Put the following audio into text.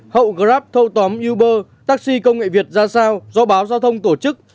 hậu grab thâu tóm uber taxi công nghệ việt ra sao do báo giao thông tổ chức